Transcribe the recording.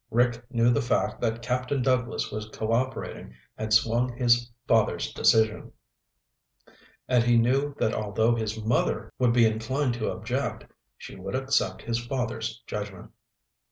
Rick knew the fact that Captain Douglas was co operating had swung his father's decision, and he knew that although his mother would be inclined to object, she would accept his father's judgment.